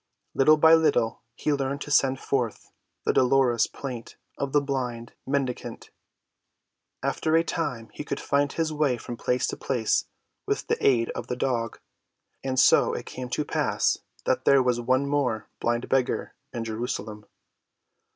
Little by little he learned to send forth the dolorous plaint of the blind mendicant. After a time he could find his way from place to place with the aid of the dog. And so it came to pass that there was one more blind beggar in Jerusalem.